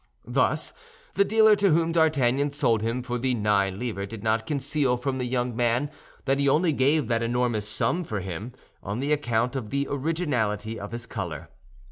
Thus the dealer to whom D'Artagnan sold him for the nine livres did not conceal from the young man that he only gave that enormous sum for him on the account of the originality of his color.